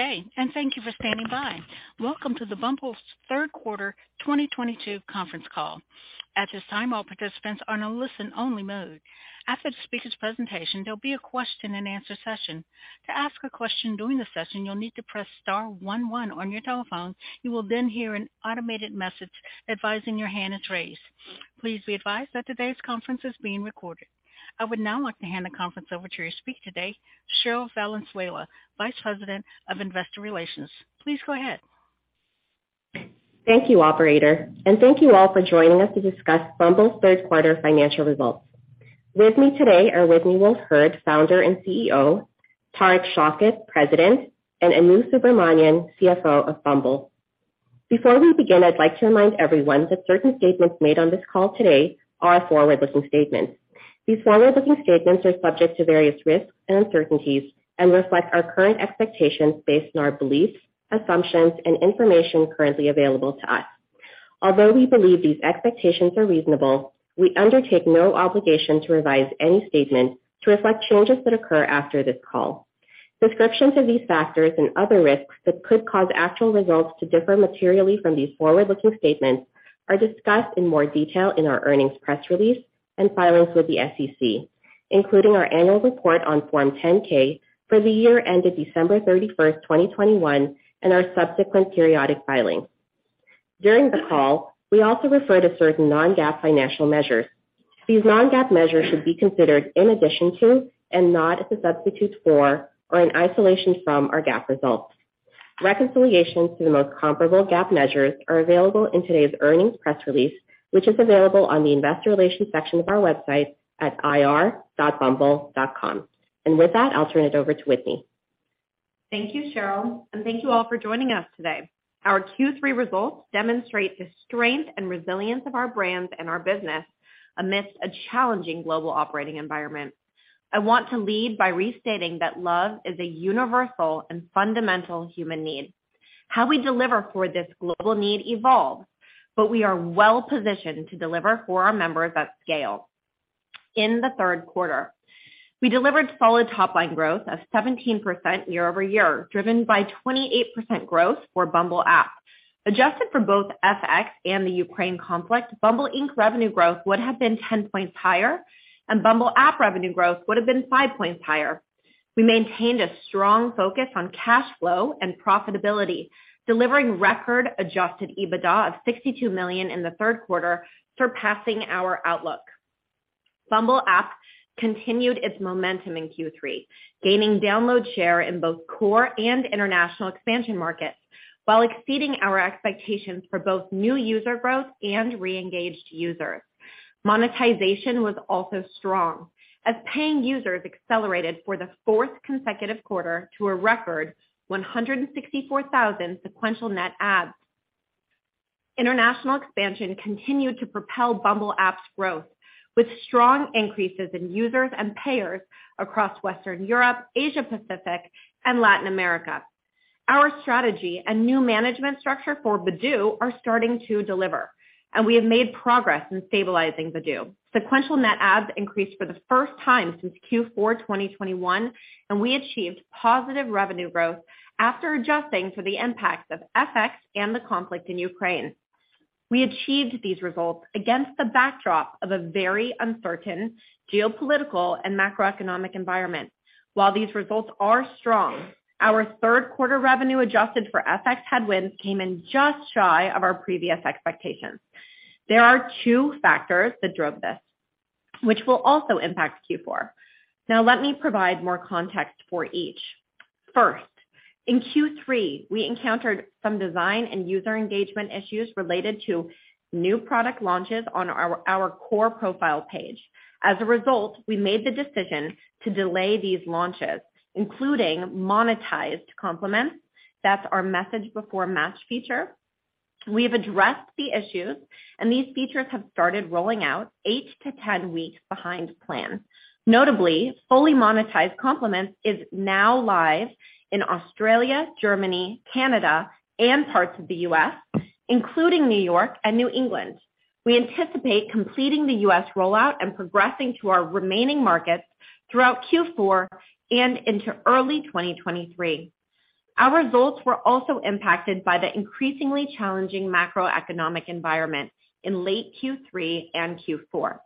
Good day, and thank you for standing by. Welcome to the Bumble's Third Quarter 2022 Conference Call. At this time, all participants are in a listen-only mode. After the speaker's presentation, there'll be a question-and-answer session. To ask a question during the session, you'll need to press star one one on your telephone. You will then hear an automated message advising your hand is raised. Please be advised that today's conference is being recorded. I would now like to hand the conference over to your speaker today, Cherryl Valenzuela, Vice President of Investor Relations. Please go ahead. Thank you, operator, and thank you all for joining us to discuss Bumble's third-quarter financial results. With me today are Whitney Wolfe Herd, Founder and CEO, Tariq Shaukat, President, and Anu Subramanian, CFO of Bumble. Before we begin, I'd like to remind everyone that certain statements made on this call today are forward-looking statements. These forward-looking statements are subject to various risks and uncertainties and reflect our current expectations based on our beliefs, assumptions, and information currently available to us. Although we believe these expectations are reasonable, we undertake no obligation to revise any statement to reflect changes that occur after this call. Descriptions of these factors and other risks that could cause actual results to differ materially from these forward-looking statements are discussed in more detail in our earnings press release and filings with the SEC, including our annual report on Form 10-K for the year ended December 31, 2021, and our subsequent periodic filings. During the call, we also refer to certain non-GAAP financial measures. These non-GAAP measures should be considered in addition to and not as a substitute for or an isolation from our GAAP results. Reconciliations to the most comparable GAAP measures are available in today's earnings press release, which is available on the investor relations section of our website at ir.bumble.com. With that, I'll turn it over to Whitney. Thank you, Cherryl, and thank you all for joining us today. Our Q3 results demonstrate the strength and resilience of our brands and our business amidst a challenging global operating environment. I want to lead by restating that love is a universal and fundamental human need. How we deliver for this global need evolves, but we are well-positioned to deliver for our members at scale. In the third quarter, we delivered solid top-line growth of 17% year-over-year, driven by 28% growth for Bumble app. Adjusted for both FX and the Ukraine conflict, Bumble Inc. revenue growth would have been 10 points higher, and Bumble app revenue growth would have been 5 points higher. We maintained a strong focus on cash flow and profitability, delivering record-Adjusted EBITDA of $62 million in the third quarter, surpassing our outlook. Bumble app continued its momentum in Q3, gaining download share in both core and international expansion markets, while exceeding our expectations for both new user growth and re-engaged users. Monetization was also strong as paying users accelerated for the fourth consecutive quarter to a record 164,000 sequential net adds. International expansion continued to propel Bumble app's growth with strong increases in users and payers across Western Europe, Asia Pacific, and Latin America. Our strategy and new management structure for Badoo are starting to deliver, and we have made progress in stabilizing Badoo. Sequential net adds increased for the first time since Q4 2021, and we achieved positive revenue growth after adjusting for the impacts of FX and the conflict in Ukraine. We achieved these results against the backdrop of a very uncertain geopolitical and macroeconomic environment. While these results are strong, our third quarter revenue adjusted for FX headwinds came in just shy of our previous expectations. There are two factors that drove this, which will also impact Q4. Now let me provide more context for each. First, in Q3, we encountered some design and user engagement issues related to new product launches on our core profile page. As a result, we made the decision to delay these launches, including monetized Compliments. That's our message before match feature. We have addressed the issues, and these features have started rolling out 8-10 weeks behind plan. Notably, fully monetized Compliments is now live in Australia, Germany, Canada, and parts of the U.S., including New York and New England. We anticipate completing the U.S. rollout and progressing to our remaining markets throughout Q4 and into early 2023. Our results were also impacted by the increasingly challenging macroeconomic environment in late Q3 and Q4.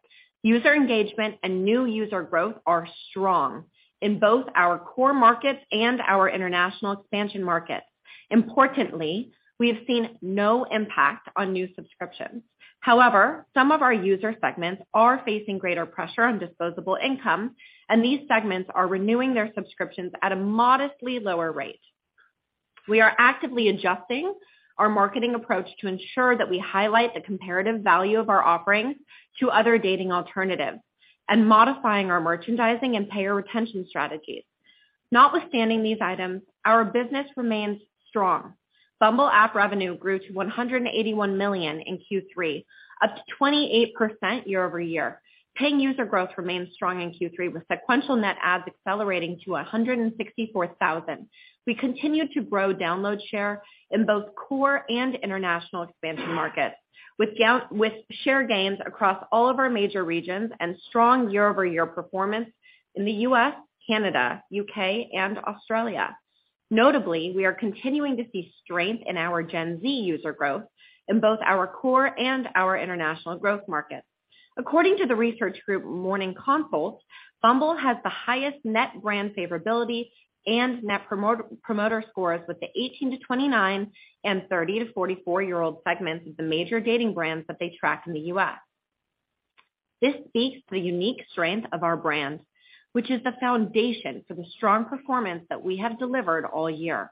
User engagement and new user growth are strong in both our core markets and our international expansion markets. Importantly, we have seen no impact on new subscriptions. However, some of our user segments are facing greater pressure on disposable income, and these segments are renewing their subscriptions at a modestly lower rate. We are actively adjusting our marketing approach to ensure that we highlight the comparative value of our offerings to other dating alternatives and modifying our merchandising and payer retention strategies. Notwithstanding these items, our business remains strong. Bumble app revenue grew to $181 million in Q3, up 28% year-over-year. Paying user growth remains strong in Q3, with sequential net adds accelerating to 164,000. We continue to grow download share in both core and international expansion markets with share gains across all of our major regions and strong year-over-year performance in the U.S., Canada, U.K., and Australia. Notably, we are continuing to see strength in our Gen Z user growth in both our core and our international growth markets. According to the research group Morning Consult, Bumble has the highest net brand favorability and net promoter scores with the 18-29 and 30-44-year-old segments of the major dating brands that they track in the U.S. This speaks to the unique strength of our brand, which is the foundation for the strong performance that we have delivered all year.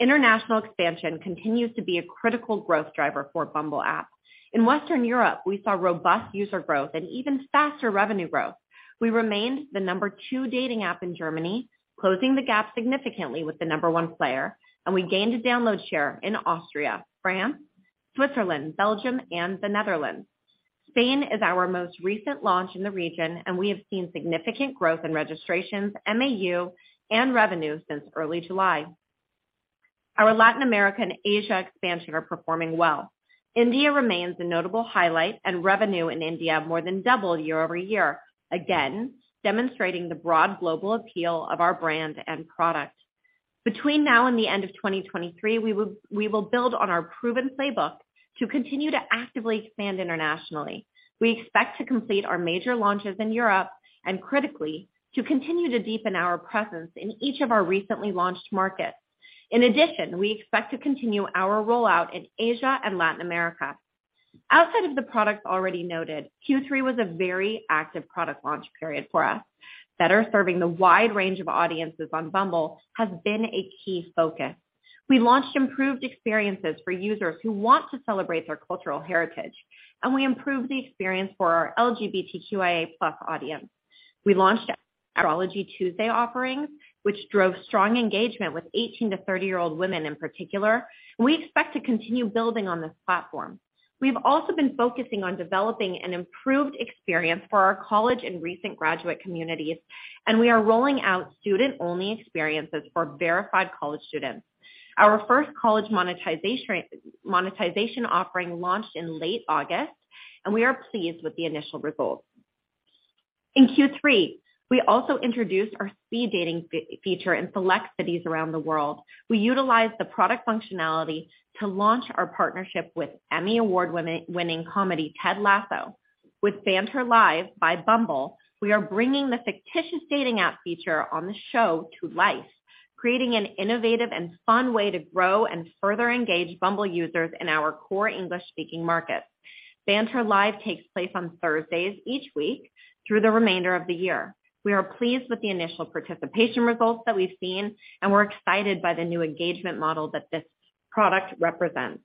International expansion continues to be a critical growth driver for Bumble app. In Western Europe, we saw robust user growth and even faster revenue growth. We remained the number two dating app in Germany, closing the gap significantly with the number one player, and we gained a download share in Austria, France, Switzerland, Belgium, and the Netherlands. Spain is our most recent launch in the region, and we have seen significant growth in registrations, MAU, and revenue since early July. Our Latin America and Asia expansions are performing well. India remains a notable highlight and revenue in India more than doubled year-over-year, again, demonstrating the broad global appeal of our brand and product. Between now and the end of 2023, we will build on our proven playbook to continue to actively expand internationally. We expect to complete our major launches in Europe and critically, to continue to deepen our presence in each of our recently launched markets. In addition, we expect to continue our rollout in Asia and Latin America. Outside of the products already noted, Q3 was a very active product launch period for us. Better serving the wide range of audiences on Bumble has been a key focus. We launched improved experiences for users who want to celebrate their cultural heritage, and we improved the experience for our LGBTQIA+ audience. We launched our Astrology Tuesday offerings, which drove strong engagement with 18 to 30-year-old women in particular. We expect to continue building on this platform. We've also been focusing on developing an improved experience for our college and recent graduate communities, and we are rolling out student-only experiences for verified college students. Our first college monetization offering launched in late August, and we are pleased with the initial results. In Q3, we also introduced our speed dating feature in select cities around the world. We utilized the product functionality to launch our partnership with Emmy Award-winning comedy, Ted Lasso. With Bantr Live by Bumble, we are bringing the fictitious dating app feature on the show to life, creating an innovative and fun way to grow and further engage Bumble users in our core English-speaking markets. Bantr Live takes place on Thursdays each week through the remainder of the year. We are pleased with the initial participation results that we've seen, and we're excited by the new engagement model that this product represents.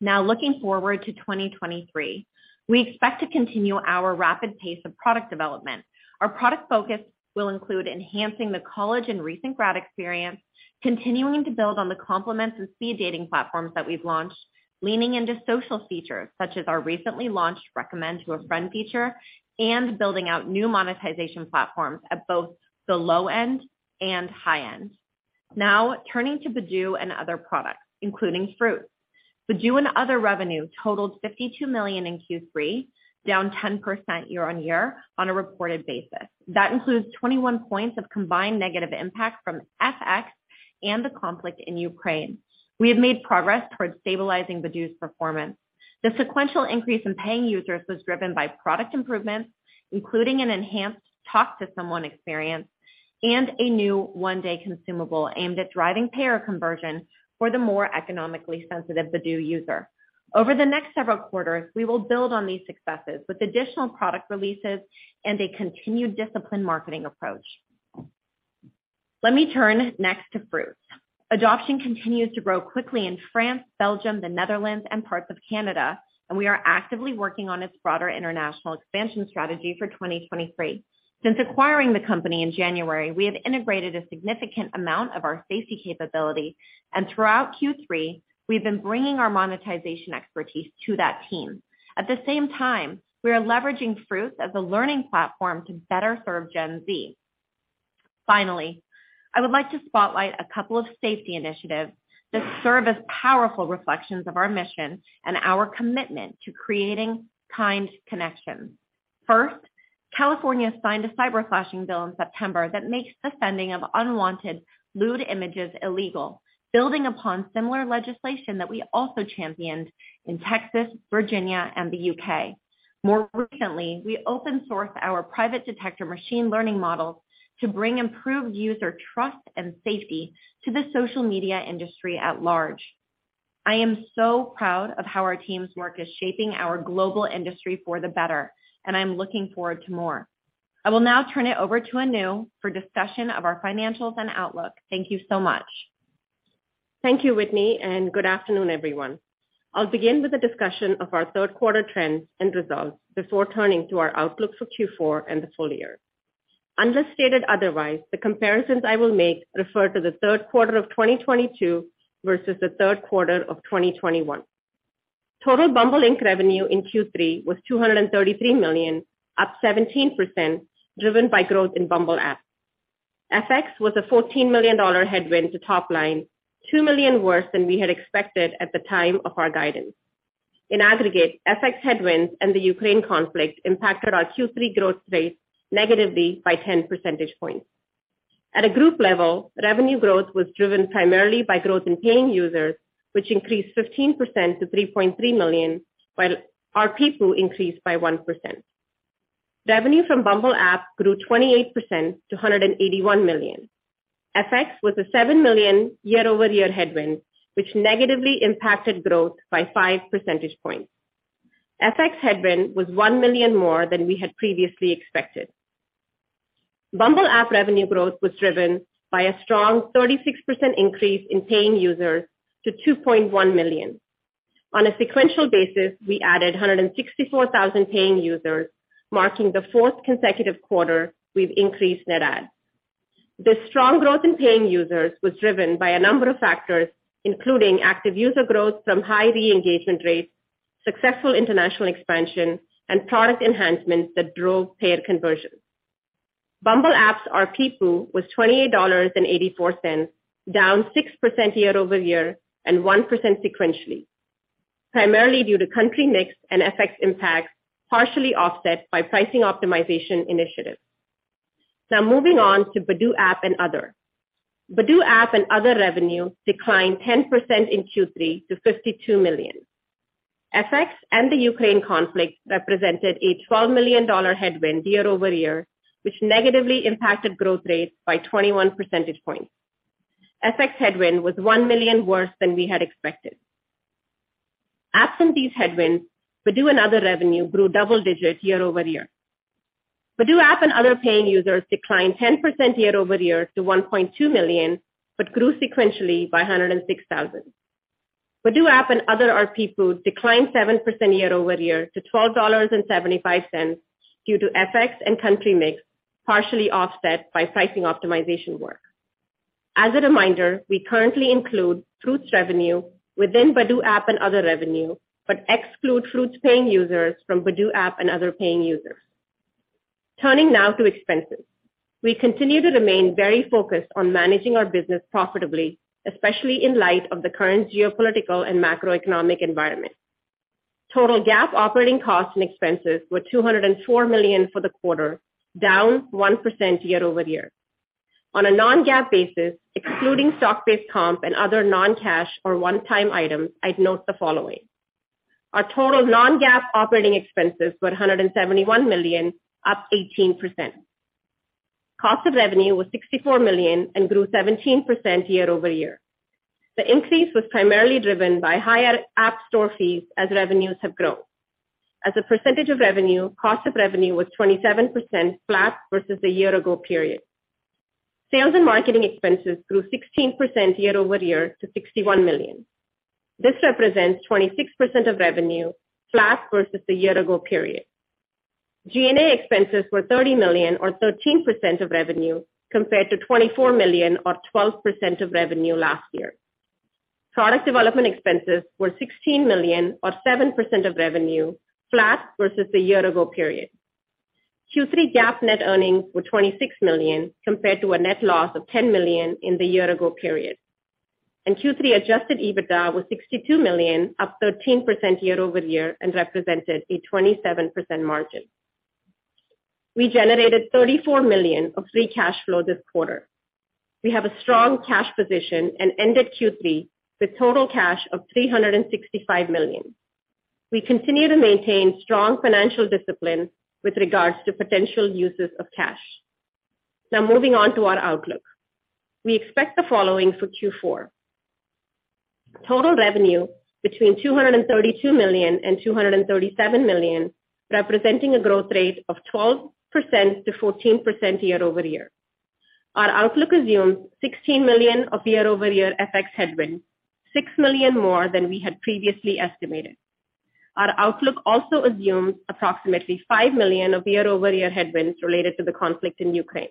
Now looking forward to 2023, we expect to continue our rapid pace of product development. Our product focus will include enhancing the college and recent grad experience, continuing to build on the Compliments and Speed Dating platforms that we've launched, leaning into social features such as our recently launched Recommend to a Friend feature, and building out new monetization platforms at both the low end and high end. Now, turning to Badoo and other products, including Fruitz. Badoo and other revenue totaled $52 million in Q3, down 10% year-over-year on a reported basis. That includes 21 points of combined negative impact from FX and the conflict in Ukraine. We have made progress towards stabilizing Badoo's performance. The sequential increase in paying users was driven by product improvements, including an enhanced talk to someone experience and a new one-day consumable aimed at driving payer conversion for the more economically sensitive Badoo user. Over the next several quarters, we will build on these successes with additional product releases and a continued disciplined marketing approach. Let me turn next to Fruitz. Adoption continues to grow quickly in France, Belgium, the Netherlands, and parts of Canada, and we are actively working on its broader international expansion strategy for 2023. Since acquiring the company in January, we have integrated a significant amount of our safety capability, and throughout Q3, we've been bringing our monetization expertise to that team. At the same time, we are leveraging Fruitz as a learning platform to better serve Gen Z. Finally, I would like to spotlight a couple of safety initiatives that serve as powerful reflections of our mission and our commitment to creating kind connections. First, California signed a cyberflashing bill in September that makes the sending of unwanted lewd images illegal, building upon similar legislation that we also championed in Texas, Virginia, and the U.K. More recently, we open sourced our Private Detector machine learning models to bring improved user trust and safety to the social media industry at large. I am so proud of how our team's work is shaping our global industry for the better, and I'm looking forward to more. I will now turn it over to Anu for discussion of our financials and outlook. Thank you so much. Thank you, Whitney, and good afternoon, everyone. I'll begin with a discussion of our third quarter trends and results before turning to our outlook for Q4 and the full year. Unless stated otherwise, the comparisons I will make refer to the third quarter of 2022 versus the third quarter of 2021. Total Bumble Inc. revenue in Q3 was $233 million, up 17%, driven by growth in Bumble app. FX was a $14 million dollar headwind to top line, $2 million worse than we had expected at the time of our guidance. In aggregate, FX headwinds and the Ukraine conflict impacted our Q3 growth rate negatively by 10 percentage points. At a group level, revenue growth was driven primarily by growth in paying users, which increased 15% to 3.3 million, while RPPU increased by 1%. Revenue from Bumble app grew 28% to $181 million. FX was a $7 million year-over-year headwind, which negatively impacted growth by 5 percentage points. FX headwind was $1 million more than we had previously expected. Bumble app revenue growth was driven by a strong 36% increase in paying users to 2.1 million. On a sequential basis, we added 164,000 paying users, marking the fourth consecutive quarter we've increased net add. This strong growth in paying users was driven by a number of factors, including active user growth from high re-engagement rates, successful international expansion and product enhancements that drove payer conversion. Bumble app's RPPU was $28.84, down 6% year-over-year and 1% sequentially, primarily due to country mix and FX impact, partially offset by pricing optimization initiatives. Now moving on to Badoo app and other. Badoo app and other revenue declined 10% in Q3 to $52 million. FX and the Ukraine conflict represented a $12 million headwind year-over-year, which negatively impacted growth rates by 21 percentage points. FX headwind was $1 million worse than we had expected. Absent these headwinds, Badoo and other revenue grew double digits year-over-year. Badoo app and other paying users declined 10% year-over-year to 1.2 million, but grew sequentially by 106,000. Badoo app and other RPPU declined 7% year-over-year to $12.75 due to FX and country mix, partially offset by pricing optimization work. As a reminder, we currently include Fruitz revenue within Badoo app and other revenue, but exclude Fruitz paying users from Badoo app and other paying users. Turning now to expenses. We continue to remain very focused on managing our business profitably, especially in light of the current geopolitical and macroeconomic environment. Total GAAP operating costs and expenses were $204 million for the quarter, down 1% year-over-year. On a non-GAAP basis, excluding stock-based comp and other non-cash or one-time items, I'd note the following. Our total non-GAAP operating expenses were $171 million, up 18%. Cost of revenue was $64 million and grew 17% year-over-year. The increase was primarily driven by higher App Store fees as revenues have grown. As a percentage of revenue, cost of revenue was 27% flat versus the year ago period. Sales and marketing expenses grew 16% year-over-year to $61 million. This represents 26% of revenue, flat versus the year ago period. G&A expenses were $30 million or 13% of revenue, compared to $24 million or 12% of revenue last year. Product development expenses were $16 million or 7% of revenue, flat versus the year-ago period. Q3 GAAP net earnings were $26 million, compared to a net loss of $10 million in the year-ago period. Q3 Adjusted EBITDA was $62 million, up 13% year-over-year and represented a 27% margin. We generated $34 million of free cash flow this quarter. We have a strong cash position and ended Q3 with total cash of $365 million. We continue to maintain strong financial discipline with regards to potential uses of cash. Now moving on to our outlook. We expect the following for Q4. Total revenue between $232 million and $237 million, representing a growth rate of 12%-14% year-over-year. Our outlook assumes $16 million of year-over-year FX headwind, $6 million more than we had previously estimated. Our outlook also assumes approximately $5 million of year-over-year headwinds related to the conflict in Ukraine,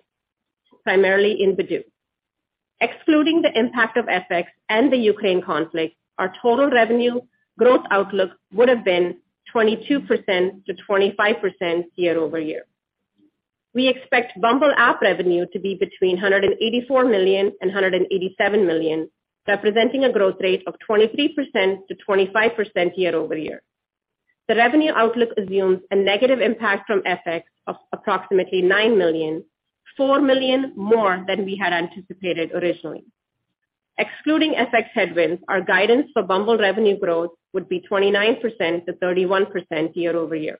primarily in Badoo. Excluding the impact of FX and the Ukraine conflict, our total revenue growth outlook would have been 22%-25% year-over-year. We expect Bumble app revenue to be between $184 million and $187 million, representing a growth rate of 23%-25% year-over-year. The revenue outlook assumes a negative impact from FX of approximately $9 million, $4 million more than we had anticipated originally. Excluding FX headwinds, our guidance for Bumble revenue growth would be 29%-31% year-over-year.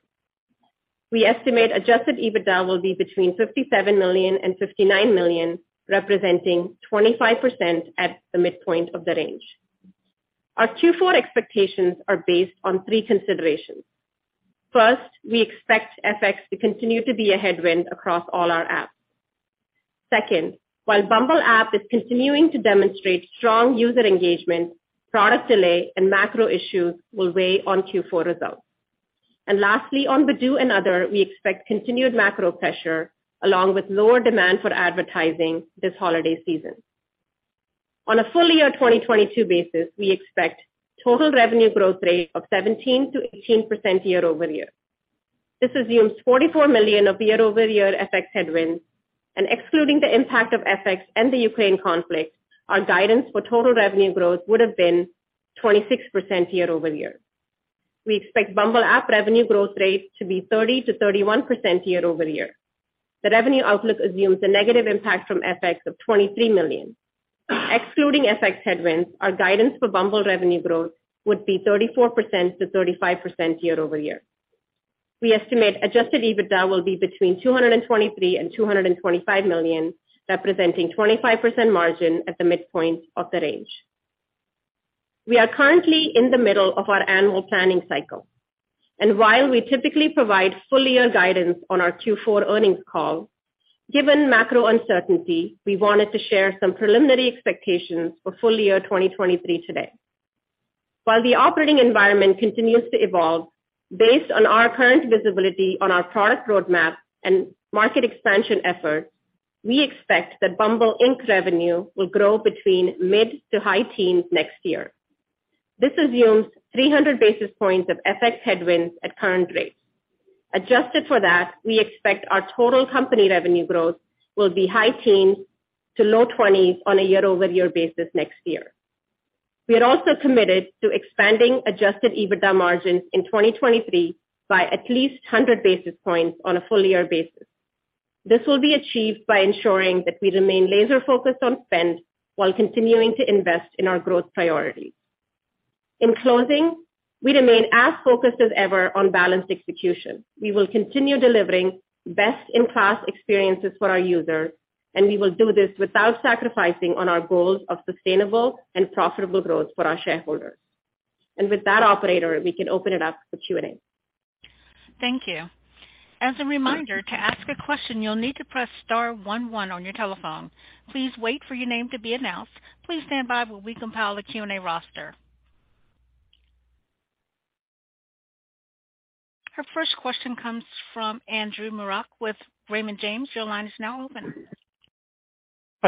We estimate Adjusted EBITDA will be between $57 million and $59 million, representing 25% at the midpoint of the range. Our Q4 expectations are based on three considerations. First, we expect FX to continue to be a headwind across all our apps. Second, while Bumble app is continuing to demonstrate strong user engagement, product delay and macro issues will weigh on Q4 results. Lastly, on Badoo and other, we expect continued macro pressure along with lower demand for advertising this holiday season. On a full-year 2022 basis, we expect total revenue growth rate of 17%-18% year-over-year. This assumes $44 million of year-over-year FX headwinds, and excluding the impact of FX and the Ukraine conflict, our guidance for total revenue growth would have been 26% year-over-year. We expect Bumble app revenue growth rate to be 30%-31% year-over-year. The revenue outlook assumes a negative impact from FX of $23 million. Excluding FX headwinds, our guidance for Bumble revenue growth would be 34%-35% year-over-year. We estimate Adjusted EBITDA will be between $223 million and $225 million, representing 25% margin at the midpoint of the range. We are currently in the middle of our annual planning cycle, while we typically provide full-year guidance on our Q4 earnings call, given macro uncertainty, we wanted to share some preliminary expectations for full year 2023 today. While the operating environment continues to evolve based on our current visibility on our product roadmap and market expansion efforts, we expect that Bumble Inc. revenue will grow between mid- to high-teens% next year. This assumes 300 basis points of FX headwinds at current rates. Adjusted for that, we expect our total company revenue growth will be high-teens to low-twenties% on a year-over-year basis next year. We are also committed to expanding Adjusted EBITDA margins in 2023 by at least 100 basis points on a full-year basis. This will be achieved by ensuring that we remain laser-focused on spend while continuing to invest in our growth priorities. In closing, we remain as focused as ever on balanced execution. We will continue delivering best-in-class experiences for our users, and we will do this without sacrificing on our goals of sustainable and profitable growth for our shareholders. With that operator, we can open it up for Q&A. Thank you. As a reminder, to ask a question, you'll need to press star one one on your telephone. Please wait for your name to be announced. Please stand by while we compile the Q&A roster. Our first question comes from Andrew Marok with Raymond James. Your line is now open.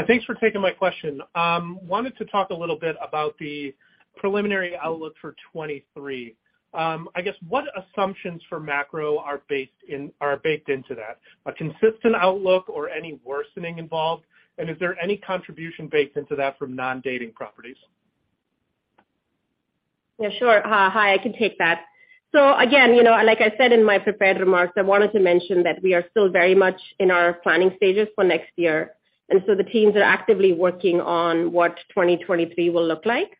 Thanks for taking my question. Wanted to talk a little bit about the preliminary outlook for 2023. I guess what assumptions for macro are baked into that? A consistent outlook or any worsening involved, and is there any contribution baked into that from non-dating properties? Yeah, sure. Hi, I can take that. Again, you know, like I said in my prepared remarks, I wanted to mention that we are still very much in our planning stages for next year, and so the teams are actively working on what 2023 will look like.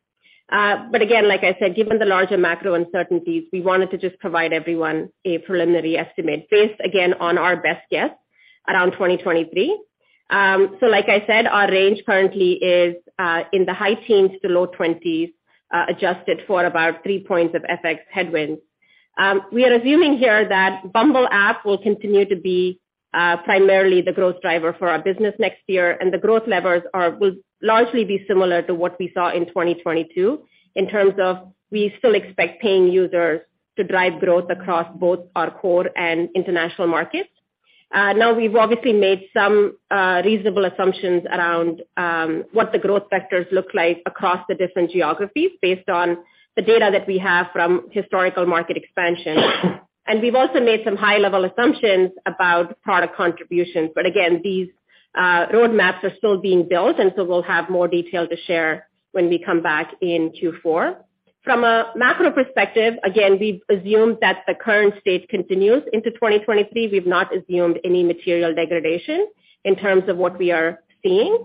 Again, like I said, given the larger macro uncertainties, we wanted to just provide everyone a preliminary estimate based, again, on our best guess around 2023. Like I said, our range currently is in the high teens to low 20s, adjusted for about 3 points of FX headwinds. We are assuming here that Bumble app will continue to be primarily the growth driver for our business next year. The growth levers will largely be similar to what we saw in 2022 in terms of we still expect paying users to drive growth across both our core and international markets. Now, we've obviously made some reasonable assumptions around what the growth vectors look like across the different geographies based on the data that we have from historical market expansion. We've also made some high-level assumptions about product contributions. Again, these roadmaps are still being built, and so we'll have more detail to share when we come back in Q4. From a macro perspective, again, we've assumed that the current state continues into 2023. We've not assumed any material degradation in terms of what we are seeing.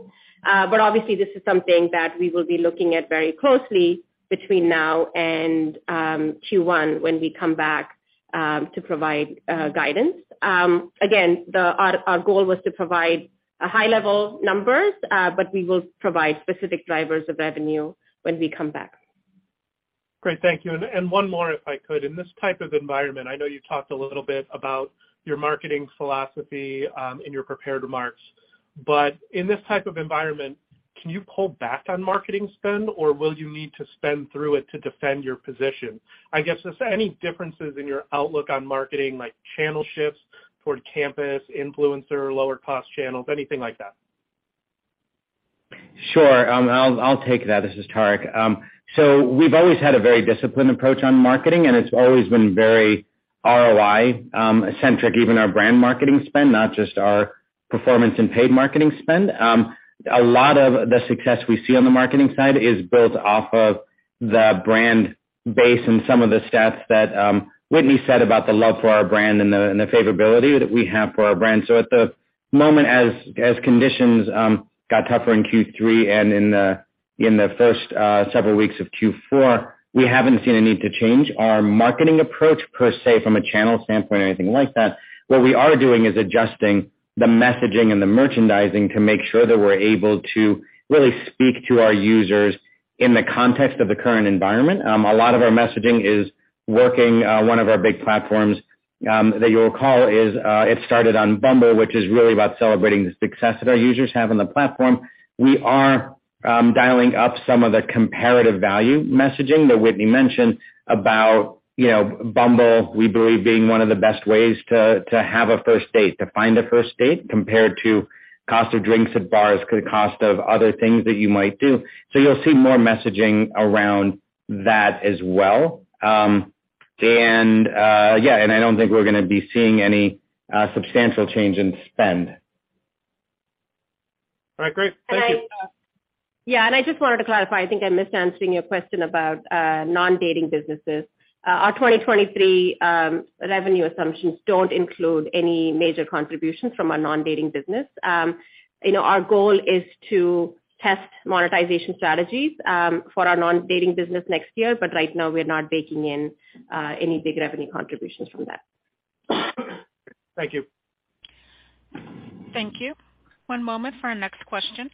Obviously this is something that we will be looking at very closely between now and Q1 when we come back to provide guidance. Again, our goal was to provide a high-level numbers, but we will provide specific drivers of revenue when we come back. Great. Thank you. One more, if I could. In this type of environment, I know you talked a little bit about your marketing philosophy in your prepared remarks, but in this type of environment, can you pull back on marketing spend, or will you need to spend through it to defend your position? I guess, is there any differences in your outlook on marketing, like channel shifts toward campus, influencer, lower cost channels, anything like that? Sure. I'll take that. This is Tariq. We've always had a very disciplined approach on marketing, and it's always been very ROI-centric, even our brand marketing spend, not just our performance and paid marketing spend. A lot of the success we see on the marketing side is built off of the brand base and some of the stats that Whitney said about the love for our brand and the favorability that we have for our brand. At the moment, as conditions got tougher in Q3 and in the first several weeks of Q4, we haven't seen a need to change our marketing approach per se from a channel standpoint or anything like that. What we are doing is adjusting the messaging and the merchandising to make sure that we're able to really speak to our users in the context of the current environment. A lot of our messaging is working. One of our big platforms that you'll recall is It Started on Bumble, which is really about celebrating the success that our users have on the platform. We are dialing up some of the comparative value messaging that Whitney mentioned about, you know, Bumble, we believe, being one of the best ways to have a first date, to find a first date, compared to cost of drinks at bars, the cost of other things that you might do. You'll see more messaging around that as well. I don't think we're gonna be seeing any substantial change in spend. All right, great. Thank you. I just wanted to clarify, I think I missed answering your question about non-dating businesses. Our 2023 revenue assumptions don't include any major contributions from our non-dating business. You know, our goal is to test monetization strategies for our non-dating business next year, but right now we're not baking in any big revenue contributions from that. Thank you. Thank you. One moment for our next question.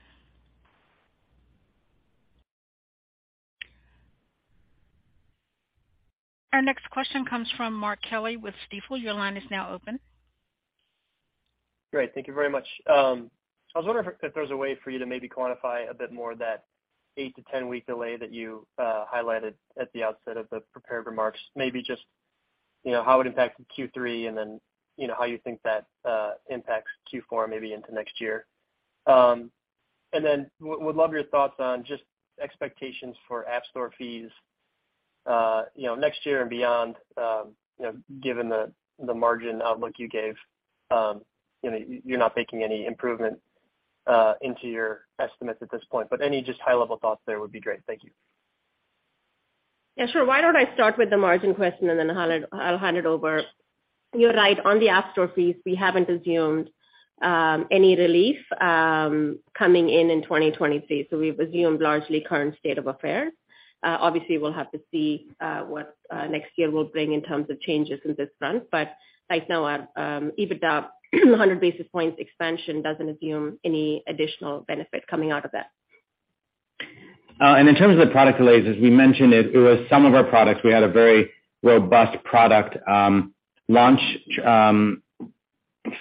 Our next question comes from Mark Kelley with Stifel. Your line is now open. Great. Thank you very much. I was wondering if there was a way for you to maybe quantify a bit more that eight to 10-week delay that you highlighted at the outset of the prepared remarks, maybe just, you know, how it impacted Q3 and then, you know, how you think that impacts Q4 maybe into next year. And then would love your thoughts on just expectations for App Store fees, you know, next year and beyond, you know, given the margin outlook you gave. You know, you're not baking any improvement into your estimates at this point, but any just high level thoughts there would be great. Thank you. Yeah, sure. Why don't I start with the margin question and then I'll hand it over. You're right on the App Store fees, we haven't assumed any relief coming in in 2023. So we've assumed largely current state of affairs. Obviously, we'll have to see what next year will bring in terms of changes in this front. Right now, our EBITDA 100 basis points expansion doesn't assume any additional benefit coming out of that. In terms of the product delays, as we mentioned, it was some of our products. We had a very robust product launch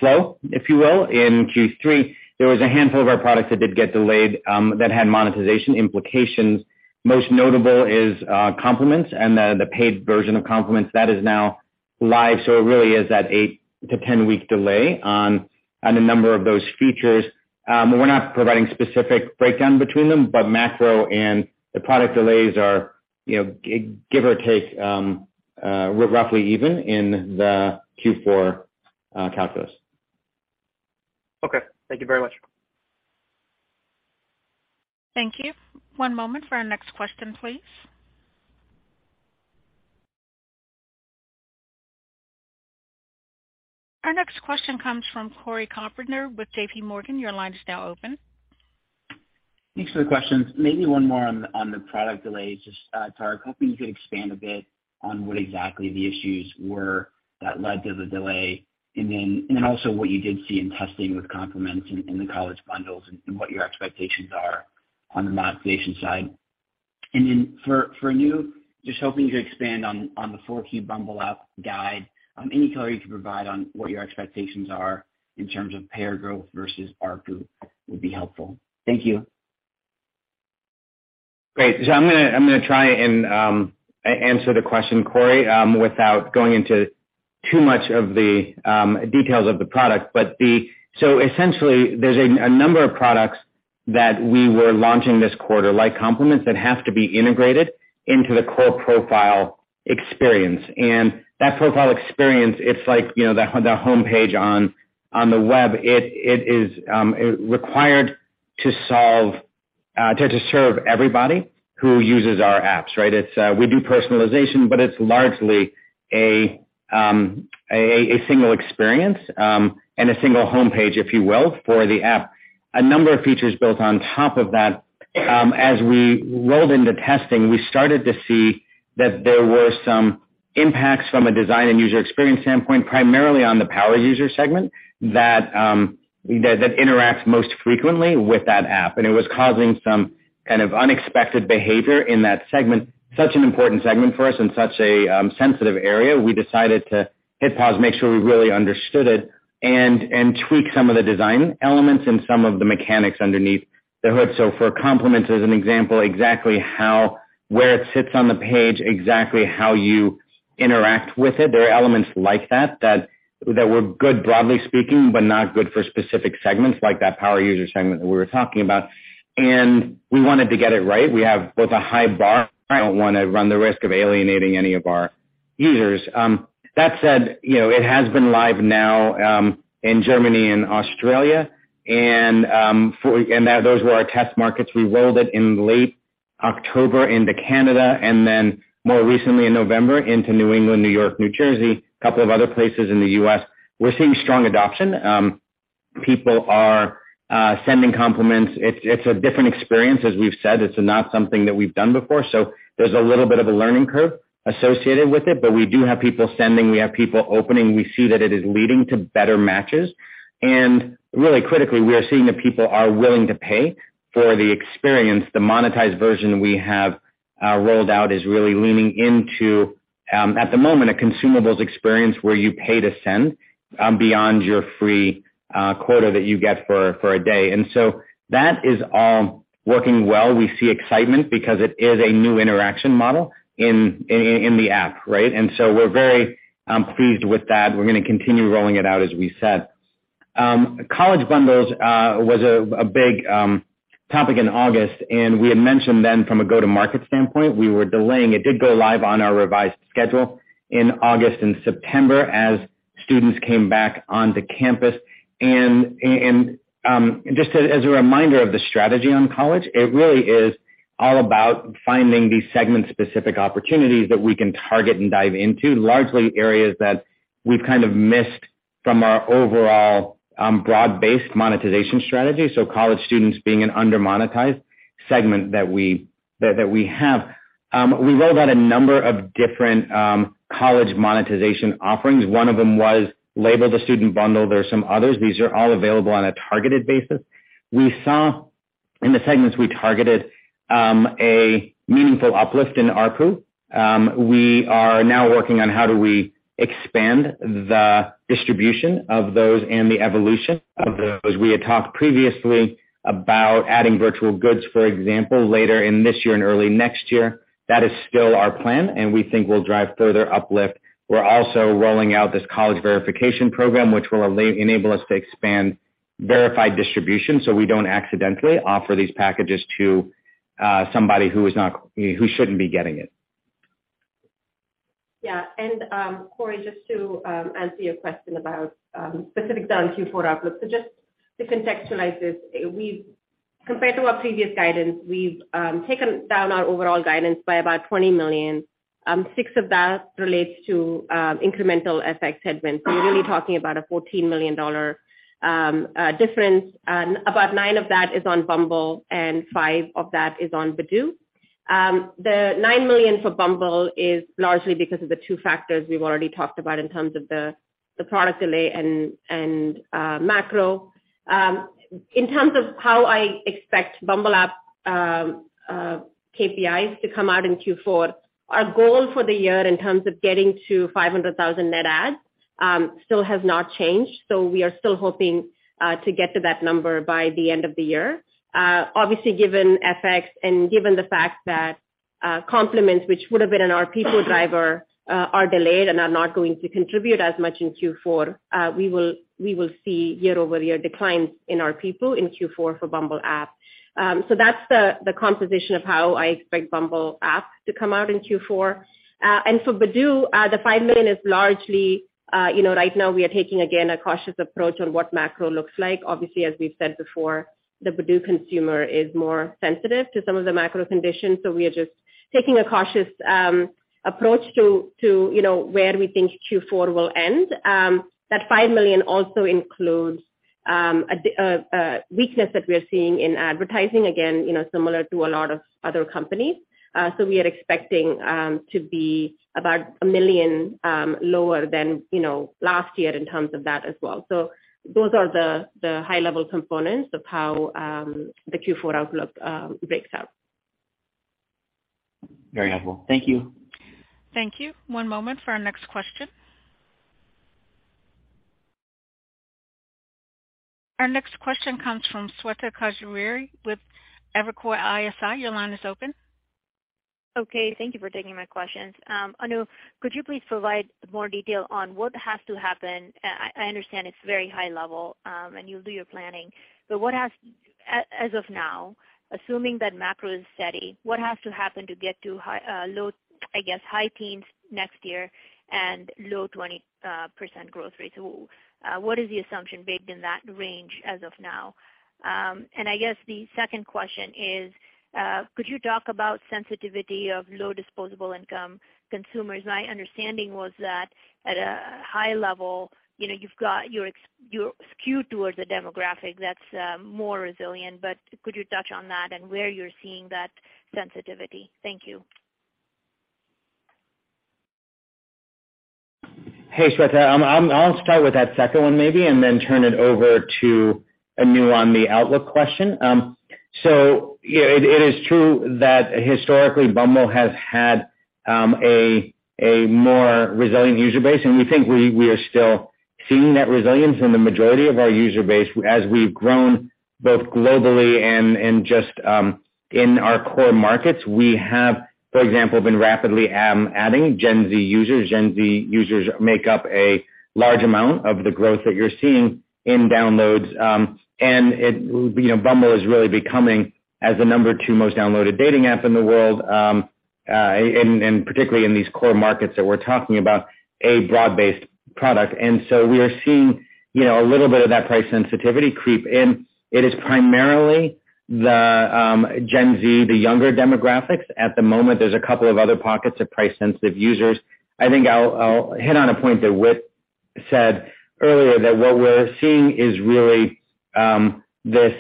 flow, if you will, in Q3. There was a handful of our products that did get delayed that had monetization implications. Most notable is Compliments and the paid version of Compliments that is now live. It really is that 8-10-week delay on a number of those features. We're not providing specific breakdown between them, but macro and the product delays are, you know, give or take, roughly even in the Q4 calculus. Okay. Thank you very much. Thank you. One moment for our next question, please. Our next question comes from Cory Carpenter with JPMorgan. Your line is now open. Thanks for the questions. Maybe one more on the product delays. Just, Tariq, hoping you could expand a bit on what exactly the issues were that led to the delay, and also what you did see in testing with Compliments in the College Bundle and what your expectations are on the monetization side. For you, just hoping to expand on the full-year Bumble app guidance, any color you can provide on what your expectations are in terms of payer growth versus ARPU would be helpful. Thank you. Great. I'm gonna try and answer the question, Cory, without going into too much of the details of the product. Essentially, there's a number of products that we were launching this quarter, like Compliments, that have to be integrated into the core profile experience. That profile experience, it's like, you know, the homepage on the web. It is required to serve everybody who uses our apps, right? It's we do personalization, but it's largely a single experience and a single homepage, if you will, for the app. A number of features built on top of that. As we rolled into testing, we started to see that there were some impacts from a design and user experience standpoint, primarily on the power user segment that interacts most frequently with that app. It was causing some kind of unexpected behavior in that segment. Such an important segment for us and such a sensitive area, we decided to hit pause, make sure we really understood it and tweak some of the design elements and some of the mechanics underneath the hood. For Compliments, as an example, exactly how, where it sits on the page, exactly how you interact with it. There are elements like that that were good broadly speaking, but not good for specific segments like that power user segment that we were talking about. We wanted to get it right. We have both a high bar. I don't wanna run the risk of alienating any of our users. That said, you know, it has been live now in Germany and Australia, and those were our test markets. We rolled it in late October into Canada, and then more recently in November into New England, New York, New Jersey, couple of other places in the U.S. We're seeing strong adoption. People are sending compliments. It's a different experience. As we've said, it's not something that we've done before, so there's a little bit of a learning curve associated with it. We do have people sending, we have people opening. We see that it is leading to better matches. Really critically, we are seeing that people are willing to pay for the experience. The monetized version we have rolled out is really leaning into at the moment a consumables experience where you pay to send beyond your free quota that you get for a day. That is all working well. We see excitement because it is a new interaction model in the app, right? We're very pleased with that. We're gonna continue rolling it out as we said. College Bundle was a big topic in August, and we had mentioned then from a go-to-market standpoint, we were delaying. It did go live on our revised schedule in August and September as students came back onto campus. Just as a reminder of the strategy on college, it really is all about finding these segment specific opportunities that we can target and dive into, largely areas that we've kind of missed from our overall broad-based monetization strategy. College students being an under-monetized segment that we have. We rolled out a number of different college monetization offerings. One of them was labeled the College Bundle. There are some others. These are all available on a targeted basis. We saw in the segments we targeted a meaningful uplift in ARPU. We are now working on how do we expand the distribution of those and the evolution of those. We had talked previously about adding virtual goods, for example, later in this year and early next year. That is still our plan, and we think we'll drive further uplift. We're also rolling out this college verification program, which will enable us to expand verified distribution, so we don't accidentally offer these packages to somebody who shouldn't be getting it. Yeah. Corey, just to answer your question about specifics on Q4 outlook. Just to contextualize this, compared to our previous guidance, we've taken down our overall guidance by about $20 million. $6 of that relates to incremental FX headwinds. We're really talking about a $14 million difference. About $9 of that is on Bumble, and $5 of that is on Badoo. The $9 million for Bumble is largely because of the two factors we've already talked about in terms of the product delay and macro. In terms of how I expect Bumble app KPIs to come out in Q4, our goal for the year in terms of getting to 500,000 net adds still has not changed. We are still hoping to get to that number by the end of the year. Obviously, given FX and given the fact that Compliments, which would have been an RPPU driver, are delayed and are not going to contribute as much in Q4, we will see year-over-year declines in our paying users in Q4 for Bumble app. That's the composition of how I expect Bumble app to come out in Q4. For Badoo, the 5 million is largely you know right now we are taking again a cautious approach on what macro looks like. Obviously, as we've said before, the Badoo consumer is more sensitive to some of the macro conditions. We are just taking a cautious approach to you know where we think Q4 will end. That $5 million also includes a weakness that we're seeing in advertising again, you know, similar to a lot of other companies. We are expecting to be about $1 million lower than, you know, last year in terms of that as well. Those are the high-level components of how the Q4 outlook breaks out. Very helpful. Thank you. Thank you. One moment for our next question. Our next question comes from Shweta Khajuria with Evercore ISI. Your line is open. Okay, thank you for taking my questions. Anu, could you please provide more detail on what has to happen? I understand it's very high level, and you'll do your planning. What has to happen as of now, assuming that macro is steady, to get to high teens next year and low 20% growth rates? What is the assumption baked in that range as of now? I guess the second question is, could you talk about sensitivity of low disposable income consumers? My understanding was that at a high level, you know, you're skewed towards a demographic that's more resilient. Could you touch on that and where you're seeing that sensitivity? Thank you. Hey, Shweta. I'll start with that second one maybe and then turn it over to Anu on the outlook question. So it is true that historically, Bumble has had a more resilient user base, and we think we are still seeing that resilience in the majority of our user base. As we've grown both globally and in our core markets, we have, for example, been rapidly adding Gen Z users. Gen Z users make up a large amount of the growth that you're seeing in downloads. You know, Bumble is really becoming the number two most downloaded dating app in the world, particularly in these core markets that we're talking about a broad-based product. We are seeing, you know, a little bit of that price sensitivity creep in. It is primarily the Gen Z, the younger demographics. At the moment, there's a couple of other pockets of price sensitive users. I think I'll hit on a point that Whit said earlier, that what we're seeing is really this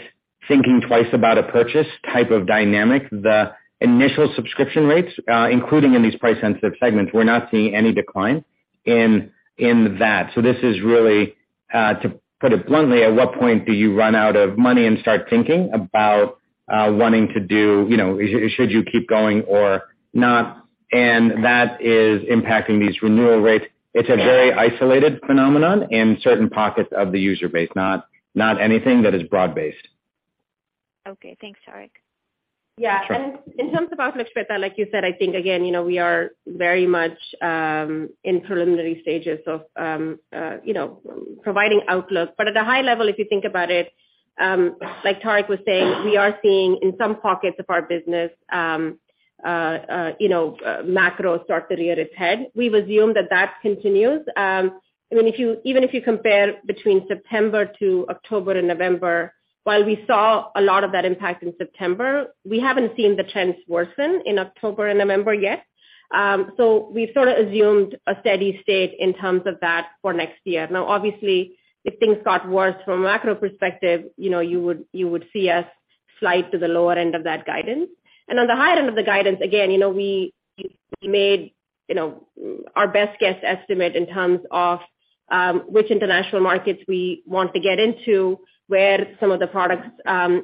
thinking twice about a purchase type of dynamic. The initial subscription rates, including in these price sensitive segments, we're not seeing any decline in that. This is really to put it bluntly, at what point do you run out of money and start thinking about wanting to do, you know, should you keep going or not? That is impacting these renewal rates. It's a very isolated phenomenon in certain pockets of the user base, not anything that is broad-based. Okay. Thanks, Tariq. Yeah. In terms of outlook, Shweta, like you said, I think again, you know, we are very much in preliminary stages of, you know, providing outlook. But at a high level, if you think about it, like Tariq was saying, we are seeing in some pockets of our business, you know, macro start to rear its head. We've assumed that continues. I mean, even if you compare between September to October and November, while we saw a lot of that impact in September, we haven't seen the trends worsen in October and November yet. We sort of assumed a steady state in terms of that for next year. Now, obviously if things got worse from a macro perspective, you know, you would see us slide to the lower end of that guidance. On the high end of the guidance, again, you know, we made, you know, our best guess estimate in terms of which international markets we want to get into, where some of the products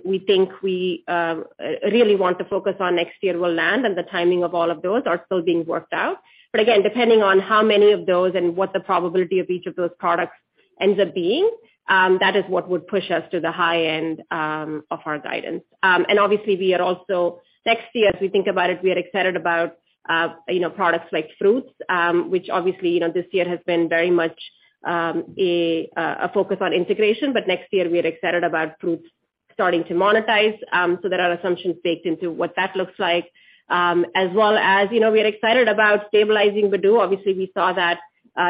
we think we really want to focus on next year will land, and the timing of all of those are still being worked out. Again, depending on how many of those and what the probability of each of those products ends up being, that is what would push us to the high end of our guidance. Obviously we are also, next year as we think about it, we are excited about, you know, products like Fruitz, which obviously, you know, this year has been very much a focus on integration. Next year, we are excited about Fruitz starting to monetize, so there are assumptions baked into what that looks like. As well as, you know, we are excited about stabilizing Badoo. Obviously, we saw that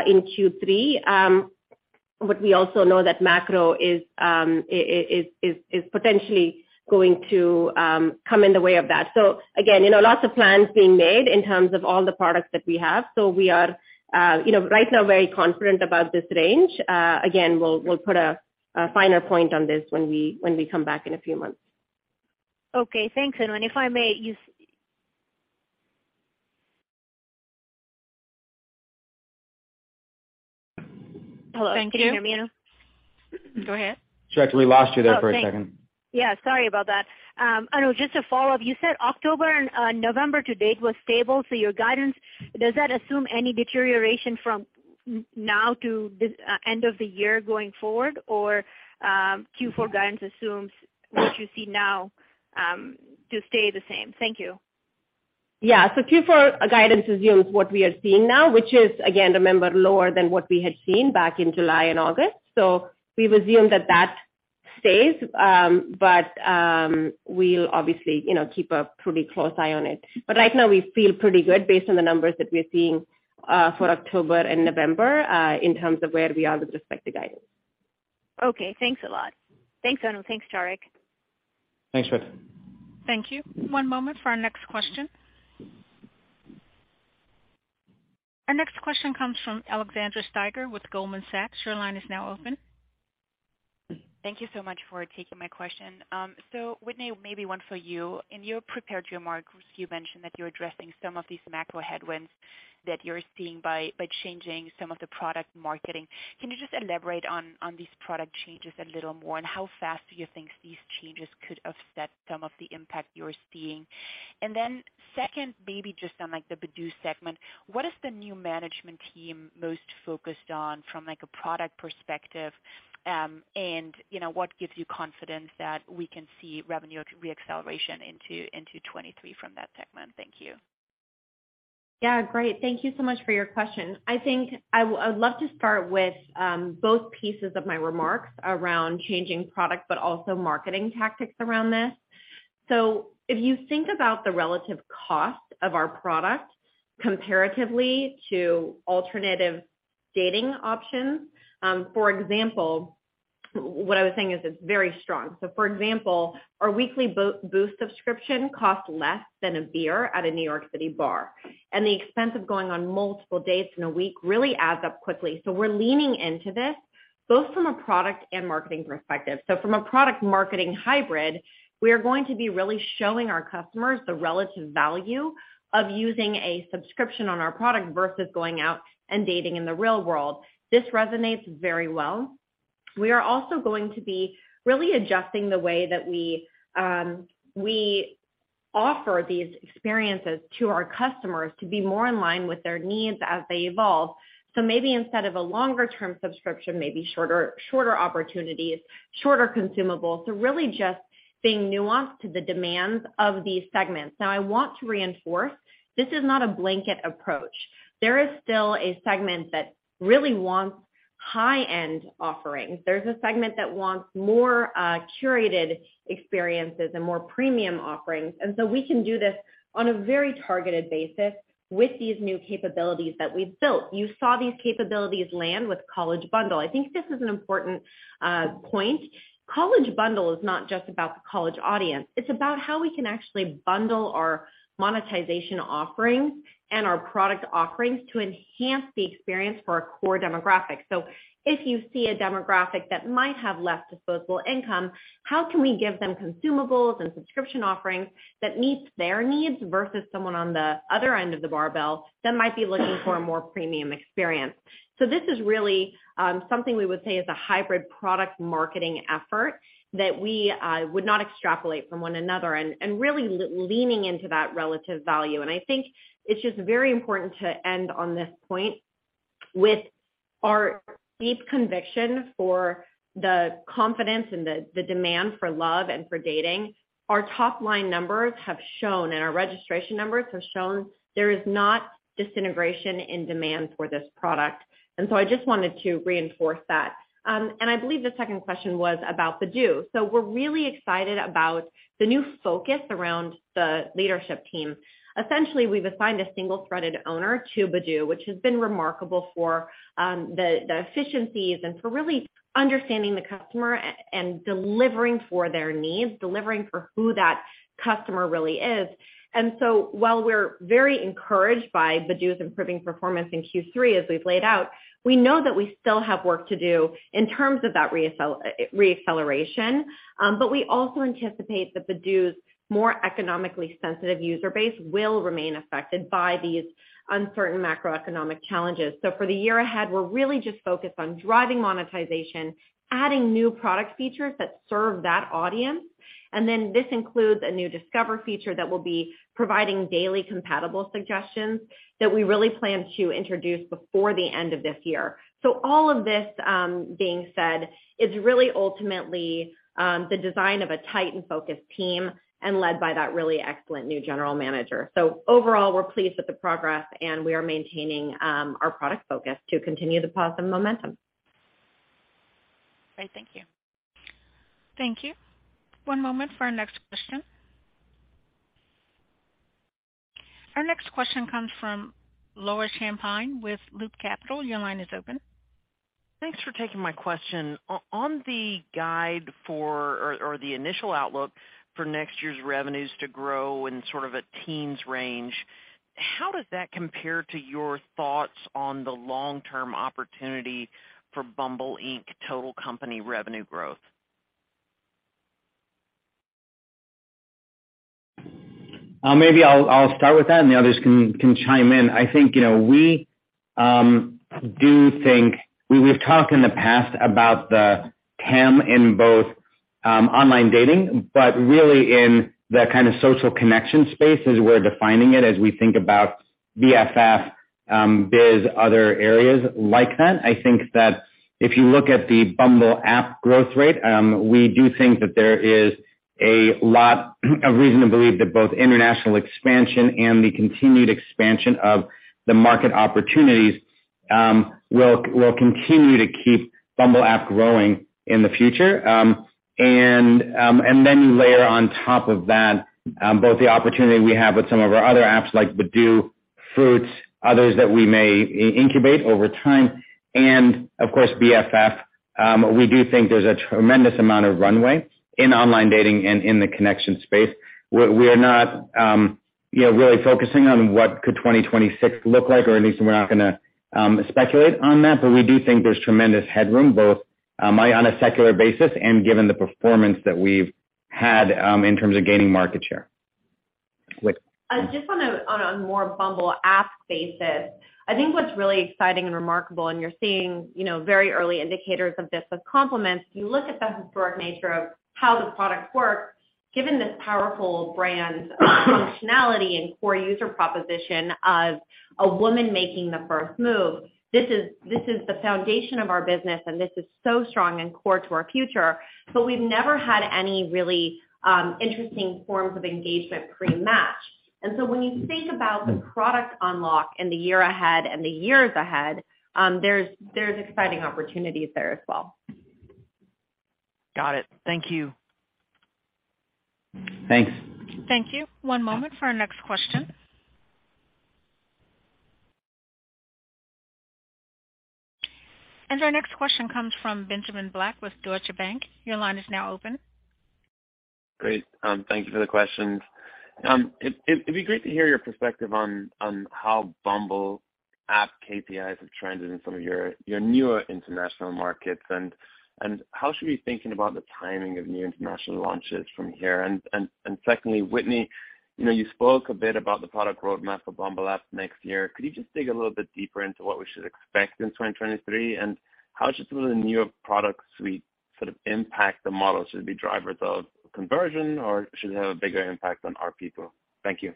in Q3. We also know that macro is potentially going to come in the way of that. Again, you know, lots of plans being made in terms of all the products that we have. We are, you know, right now very confident about this range. Again, we'll put a finer point on this when we come back in a few months. Okay, thanks, Anu. If I may, Hello? Thank you. Can you hear me now? Go ahead. Shweta, we lost you there for a second. Oh, thanks. Yeah, sorry about that. Anu, just to follow up, you said October and November to date was stable. So your guidance, does that assume any deterioration from now to the end of the year going forward? Or, Q4 guidance assumes what you see now to stay the same? Thank you. Yeah. Q4 guidance assumes what we are seeing now, which is, again, remember, lower than what we had seen back in July and August. We assume that that stays. We'll obviously, you know, keep a pretty close eye on it. Right now we feel pretty good based on the numbers that we are seeing for October and November in terms of where we are with respect to guidance. Okay, thanks a lot. Thanks, Anu. Thanks, Tariq. Thanks, Shweta. Thank you. One moment for our next question. Our next question comes from Alexandra Steiger with Goldman Sachs. Your line is now open. Thank you so much for taking my question. So Whitney, maybe one for you. In your prepared remarks, you mentioned that you're addressing some of these macro headwinds that you're seeing by changing some of the product marketing. Can you just elaborate on these product changes a little more, and how fast do you think these changes could offset some of the impact you are seeing? Second, maybe just on like the Badoo segment, what is the new management team most focused on from like a product perspective? You know, what gives you confidence that we can see revenue reacceleration into 2023 from that segment? Thank you. Yeah, great. Thank you so much for your question. I think I would love to start with both pieces of my remarks around changing product, but also marketing tactics around this. If you think about the relative cost of our product comparatively to alternative dating options, for example, what I was saying is it's very strong. For example, our weekly boost subscription costs less than a beer at a New York City bar, and the expense of going on multiple dates in a week really adds up quickly. We're leaning into this both from a product and marketing perspective. From a product marketing hybrid, we are going to be really showing our customers the relative value of using a subscription on our product versus going out and dating in the real world. This resonates very well. We are also going to be really adjusting the way that we offer these experiences to our customers to be more in line with their needs as they evolve. Maybe instead of a longer term subscription, maybe shorter opportunities, shorter consumables. Really just being nuanced to the demands of these segments. Now, I want to reinforce this is not a blanket approach. There is still a segment that really wants high-end offerings. There's a segment that wants more curated experiences and more premium offerings. We can do this on a very targeted basis with these new capabilities that we've built. You saw these capabilities land with College Bundle. I think this is an important point. College Bundle is not just about the college audience. It's about how we can actually bundle our monetization offerings and our product offerings to enhance the experience for our core demographic. If you see a demographic that might have less disposable income, how can we give them consumables and subscription offerings that meets their needs versus someone on the other end of the barbell that might be looking for a more premium experience? This is really something we would say is a hybrid product marketing effort that we would not extrapolate from one another and really leaning into that relative value. I think it's just very important to end on this point. With our deep conviction for the confidence and the demand for love and for dating, our top-line numbers have shown and our registration numbers have shown there is not disintegration in demand for this product. I just wanted to reinforce that. I believe the second question was about Badoo. We're really excited about the new focus around the leadership team. Essentially, we've assigned a single-threaded owner to Badoo, which has been remarkable for the efficiencies and for really understanding the customer and delivering for their needs, delivering for who that customer really is. While we're very encouraged by Badoo's improving performance in Q3 as we've laid out, we know that we still have work to do in terms of that reacceleration. But we also anticipate that Badoo's more economically sensitive user base will remain affected by these uncertain macroeconomic challenges. For the year ahead, we're really just focused on driving monetization, adding new product features that serve that audience. This includes a new discover feature that will be providing daily compatible suggestions that we really plan to introduce before the end of this year. All of this, being said, is really ultimately the design of a tight and focused team and led by that really excellent new general manager. Overall, we're pleased with the progress, and we are maintaining our product focus to continue the positive momentum. Great, thank you. Thank you. One moment for our next question. Our next question comes from Laura Champine with Loop Capital. Your line is open. Thanks for taking my question. On the guide for the initial outlook for next year's revenues to grow in sort of a teens range, how does that compare to your thoughts on the long-term opportunity for Bumble Inc. total company revenue growth? Maybe I'll start with that, and the others can chime in. I think, you know, we do think we've talked in the past about the TAM in both online dating, but really in the kind of social connection space as we're defining it as we think about BFF, Bizz, other areas like that. I think that if you look at the Bumble app growth rate, we do think that there is a lot of reason to believe that both international expansion and the continued expansion of the market opportunities will continue to keep Bumble app growing in the future. You layer on top of that both the opportunity we have with some of our other apps like Badoo, Fruitz, others that we may incubate over time, and of course, BFF. We do think there's a tremendous amount of runway in online dating and in the connection space. We're not, you know, really focusing on what could 2026 look like, or at least we're not gonna speculate on that, but we do think there's tremendous headroom, both on a secular basis and given the performance that we've had in terms of gaining market share. Whitney. Just on a more Bumble app basis, I think what's really exciting and remarkable, and you're seeing, you know, very early indicators of this with Compliments. You look at the historic nature of how the product works, given this powerful brand functionality and core user proposition of a woman making the first move, this is the foundation of our business, and this is so strong and core to our future. We've never had any really interesting forms of engagement pre-match. When you think about the product unlock in the year ahead and the years ahead, there's exciting opportunities there as well. Got it. Thank you. Thanks. Thank you. One moment for our next question. Our next question comes from Benjamin Black with Deutsche Bank. Your line is now open. Great. Thank you for the questions. It'd be great to hear your perspective on how Bumble app KPIs have trended in some of your newer international markets, and how should we be thinking about the timing of new international launches from here? Secondly, Whitney, you know, you spoke a bit about the product roadmap for Bumble app next year. Could you just dig a little bit deeper into what we should expect in 2023? And how should some of the newer product suite sort of impact the model? Should it be drivers of conversion or should it have a bigger impact on our people? Thank you.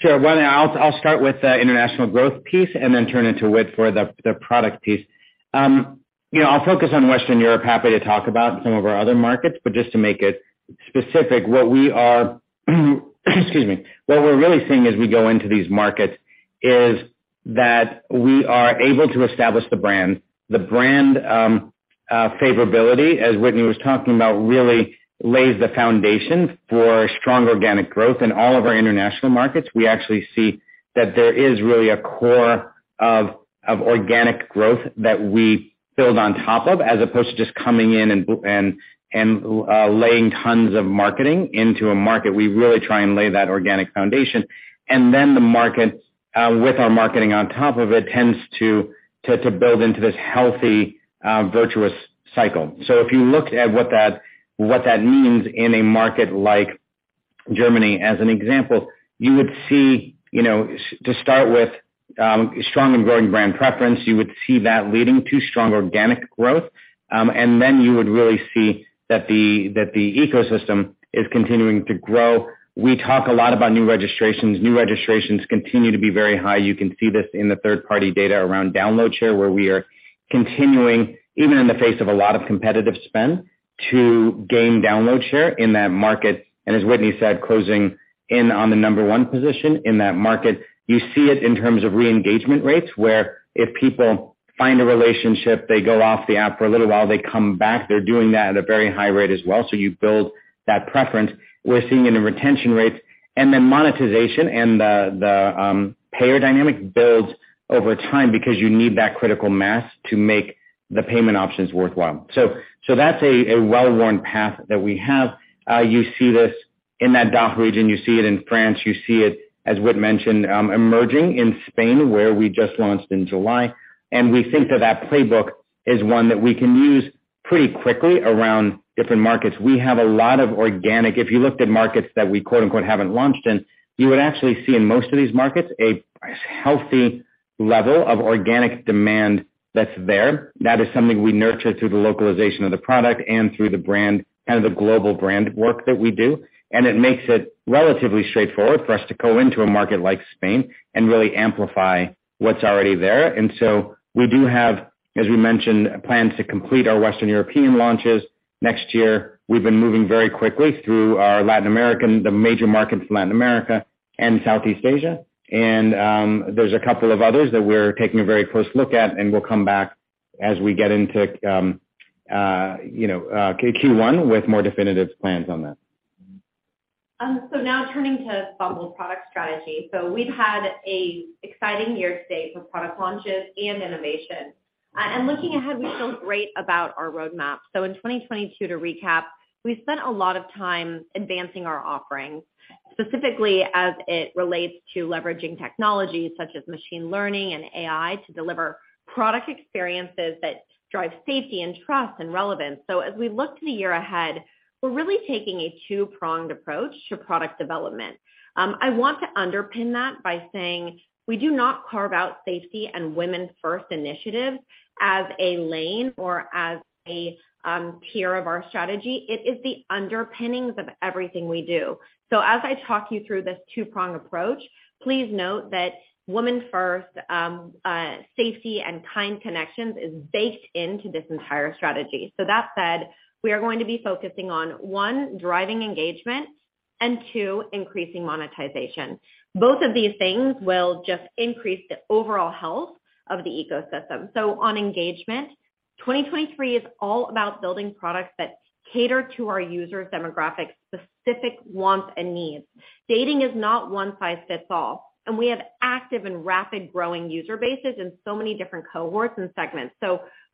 Sure. Well, I'll start with the international growth piece and then turn it to Whit for the product piece. You know, I'll focus on Western Europe. Happy to talk about some of our other markets, but just to make it specific, what we're really seeing as we go into these markets is that we are able to establish the brand. The brand favorability, as Whitney was talking about, really lays the foundation for strong organic growth in all of our international markets. We actually see that there is really a core of organic growth that we build on top of as opposed to just coming in and laying tons of marketing into a market. We really try and lay that organic foundation. The market, with our marketing on top of it, tends to build into this healthy virtuous cycle. If you looked at what that means in a market like Germany, as an example, you would see, you know, to start with, strong and growing brand preference, you would see that leading to strong organic growth, and then you would really see that the ecosystem is continuing to grow. We talk a lot about new registrations. New registrations continue to be very high. You can see this in the third-party data around download share, where we are continuing even in the face of a lot of competitive spend to gain download share in that market, and as Whitney said, closing in on the number one position in that market. You see it in terms of re-engagement rates, where if people find a relationship, they go off the app for a little while, they come back, they're doing that at a very high rate as well. So you build that preference. We're seeing it in retention rates and then monetization and the payer dynamic builds over time because you need that critical mass to make the payment options worthwhile. So that's a well-worn path that we have. You see this in that DACH region. You see it in France. You see it, as Whit mentioned, emerging in Spain, where we just launched in July. We think that that playbook is one that we can use pretty quickly around different markets. We have a lot of organic. If you looked at markets that we quote-unquote, "haven't launched in," you would actually see in most of these markets a healthy level of organic demand that's there. That is something we nurture through the localization of the product and through the brand, kind of the global brand work that we do. It makes it relatively straightforward for us to go into a market like Spain and really amplify what's already there. We do have, as we mentioned, plans to complete our Western European launches next year. We've been moving very quickly through our Latin American, the major markets in Latin America and Southeast Asia. There's a couple of others that we're taking a very close look at, and we'll come back as we get into Q1 with more definitive plans on that. Now turning to Bumble's product strategy. We've had an exciting year to date with product launches and innovation. Looking ahead, we feel great about our roadmap. In 2022, to recap, we spent a lot of time advancing our offerings, specifically as it relates to leveraging technologies such as machine learning and AI to deliver product experiences that drive safety and trust and relevance. As we look to the year ahead, we're really taking a two-pronged approach to product development. I want to underpin that by saying we do not carve out safety and women first initiatives as a lane or as a tier of our strategy. It is the underpinnings of everything we do. As I talk you through this two-prong approach, please note that women first, safety and kind connections is baked into this entire strategy. That said, we are going to be focusing on, one, driving engagement, and two, increasing monetization. Both of these things will just increase the overall health of the ecosystem. On engagement, 2023 is all about building products that cater to our user demographic's specific wants and needs. Dating is not one size fits all, and we have active and rapidly growing user bases in so many different cohorts and segments.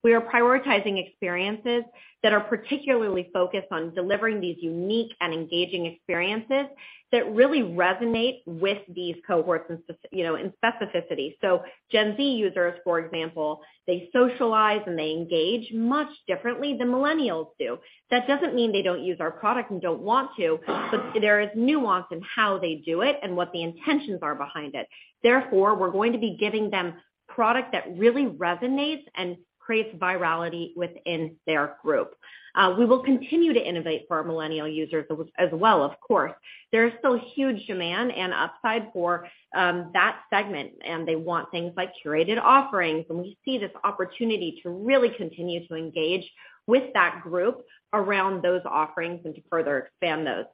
We are prioritizing experiences that are particularly focused on delivering these unique and engaging experiences that really resonate with these cohorts in specificity, you know. Gen Z users, for example, they socialize and they engage much differently than millennials do. That doesn't mean they don't use our product and don't want to, but there is nuance in how they do it and what the intentions are behind it. Therefore, we're going to be giving them product that really resonates and creates virality within their group. We will continue to innovate for our millennial users as well, of course. There is still huge demand and upside for that segment, and they want things like curated offerings. We see this opportunity to really continue to engage with that group around those offerings and to further expand those.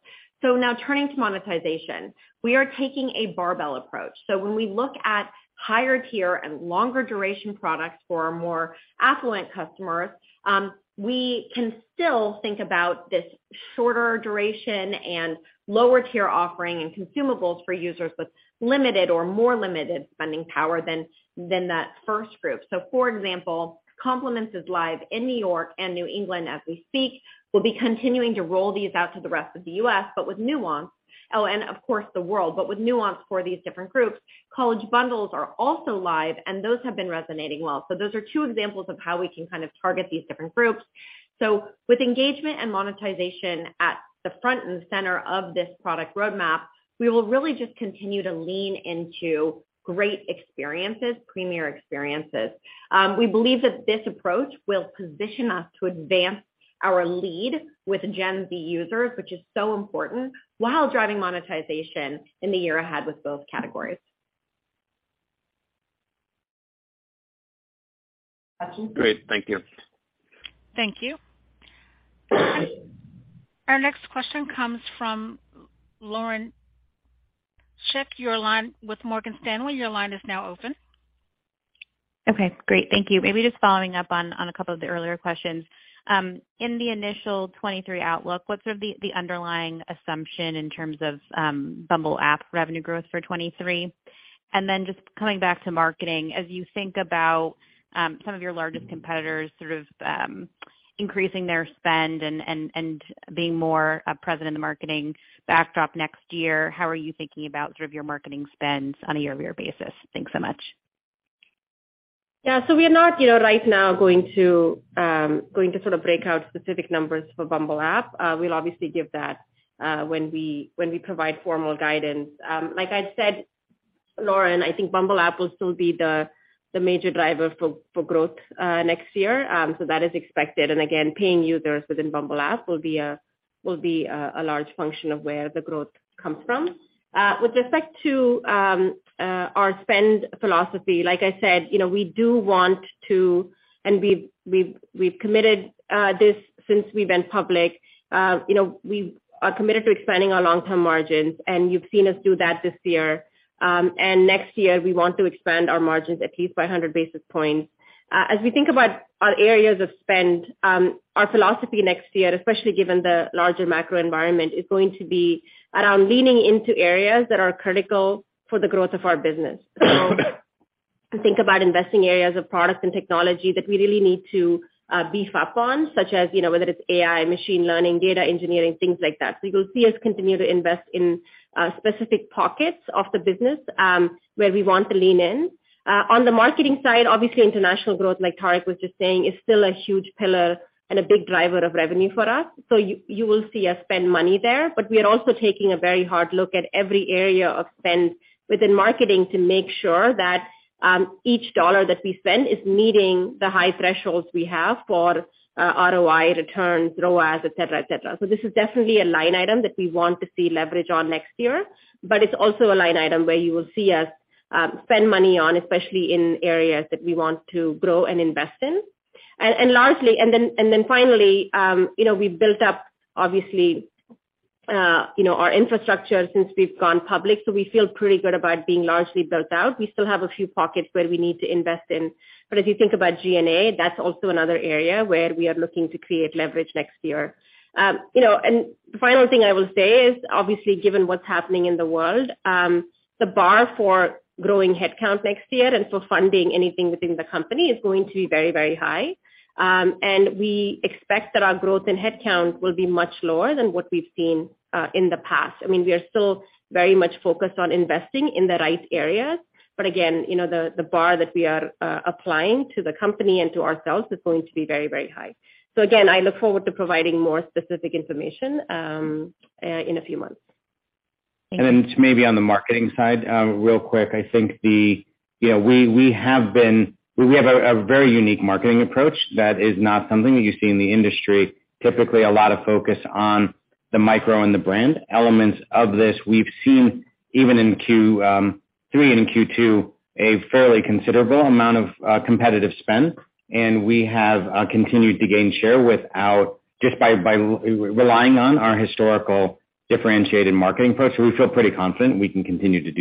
Now turning to monetization. We are taking a barbell approach. When we look at higher tier and longer duration products for our more affluent customers, we can still think about this shorter duration and lower tier offering and consumables for users with limited or more limited spending power than that first group. For example, Compliments is live in New York and New England as we speak. We'll be continuing to roll these out to the rest of the U.S., but with nuance. Oh, of course, the world, but with nuance for these different groups. College Bundles are also live, and those have been resonating well. Those are two examples of how we can kind of target these different groups. With engagement and monetization at the front and center of this product roadmap, we will really just continue to lean into great experiences, premier experiences. We believe that this approach will position us to advance our lead with Gen Z users, which is so important, while driving monetization in the year ahead with both categories. Great. Thank you. Thank you. Our next question comes from Lauren Schenk with Morgan Stanley. Your line is now open. Okay, great. Thank you. Maybe just following up on a couple of the earlier questions. In the initial 2023 outlook, what's sort of the underlying assumption in terms of Bumble app revenue growth for 2023? Just coming back to marketing, as you think about some of your largest competitors sort of increasing their spend and being more present in the marketing backdrop next year, how are you thinking about sort of your marketing spends on a year-over-year basis? Thanks so much. We are not, you know, right now going to sort of break out specific numbers for Bumble app. We'll obviously give that when we provide formal guidance. Like I said, Lauren, I think Bumble app will still be the major driver for growth next year. That is expected. Again, paying users within Bumble app will be a Will be a large function of where the growth comes from. With respect to our spend philosophy, like I said, you know, we do want to, and we've committed this since we've been public, you know, we are committed to expanding our long-term margins, and you've seen us do that this year. Next year, we want to expand our margins at least by 100 basis points. As we think about our areas of spend, our philosophy next year, especially given the larger macro environment, is going to be around leaning into areas that are critical for the growth of our business. Think about investing areas of products and technology that we really need to beef up on, such as, you know, whether it's AI, machine learning, data engineering, things like that. You'll see us continue to invest in specific pockets of the business where we want to lean in. On the marketing side, obviously international growth, like Tariq Shaukat was just saying, is still a huge pillar and a big driver of revenue for us, so you will see us spend money there. We are also taking a very hard look at every area of spend within marketing to make sure that each dollar that we spend is meeting the high thresholds we have for ROI returns, ROAS, et cetera, et cetera. This is definitely a line item that we want to see leverage on next year, but it's also a line item where you will see us spend money on, especially in areas that we want to grow and invest in. Finally, you know, we built up, obviously, you know, our infrastructure since we've gone public, so we feel pretty good about being largely built out. We still have a few pockets where we need to invest in. If you think about G&A, that's also another area where we are looking to create leverage next year. The final thing I will say is, obviously, given what's happening in the world, the bar for growing headcount next year and for funding anything within the company is going to be very, very high. We expect that our growth in headcount will be much lower than what we've seen in the past. I mean, we are still very much focused on investing in the right areas, but again, you know, the bar that we are applying to the company and to ourselves is going to be very, very high. Again, I look forward to providing more specific information in a few months. Just maybe on the marketing side, real quick. I think. You know, we have a very unique marketing approach that is not something that you see in the industry. Typically, a lot of focus on the micro and the brand elements of this. We have seen, even in Q3 and in Q2, a fairly considerable amount of competitive spend, and we have continued to gain share without just by relying on our historical differentiated marketing approach. We feel pretty confident we can continue to do that.